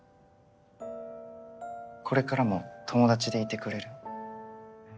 これからも友達でいてくれる？